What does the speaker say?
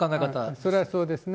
それはそうですね。